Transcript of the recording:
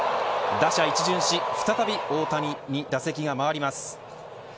打者一巡し、再び大谷に打席が回ります。